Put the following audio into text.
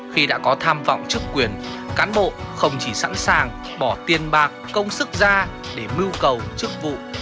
khi đã có tham vọng chức quyền cán bộ không chỉ sẵn sàng bỏ tiền bạc công sức ra để mưu cầu chức vụ